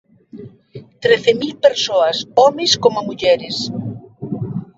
Trece mil persoas, homes como mulleres.